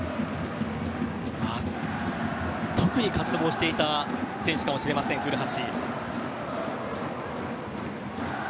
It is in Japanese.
特に渇望していた選手かもしれません、古橋。